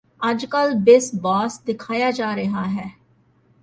ਅੱਜਕੱਲ੍ਹ ਬਿਸ ਬੌਸ ਦਿਖਾਇਆ ਜਾ ਰਿਹਾ ਹੈ